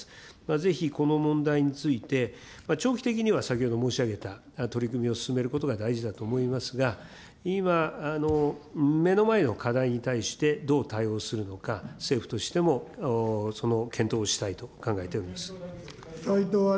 ぜひこの問題について、長期的には先ほど申し上げた取り組みを進めることが大事だと思いますが、今、目の前の課題に対して、どう対応するのか、政府としてもその検討をしたいと考えております。